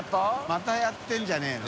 またやってるんじゃねぇの？